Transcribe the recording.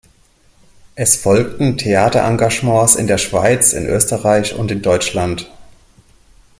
Es folgten Theater-Engagements in der Schweiz, in Österreich und in Deutschland.